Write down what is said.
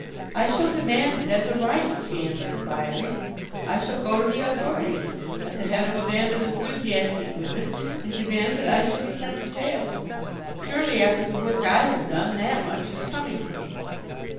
"I shall demand it as a right," she answered quietly. "I shall go to the authorities, at the head of a band of enthusiastic women, and demand that I shall be sent to jail. Surely after the work I have done, that much is coming to me."